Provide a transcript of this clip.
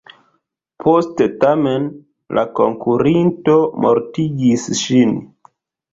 Poste tamen, la konkerinto mortigis ŝin.